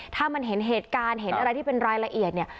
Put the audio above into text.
ถ้ามันเห็นเหตุการณ์เห็นอะไรที่เป็นรายละเอียดเนี่ย